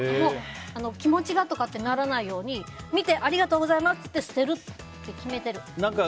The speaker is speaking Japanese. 気持ちがとかならないように見て、ありがとうございますって言って捨てるって決めてる。